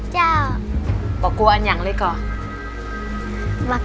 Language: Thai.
เจ้าประกันอย่างนึกอ่ะ